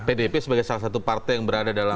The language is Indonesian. pdp sebagai salah satu partai yang berada dalam